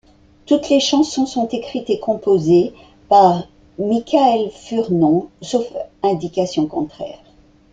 Toutes les chansons sont écrites et composées par Mickaël Furnon sauf indication contraire.